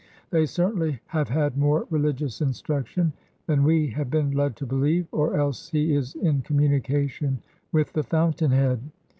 They certainly have had more religious instruction than we have been led to believe, or else he is in communication with the fountainhead.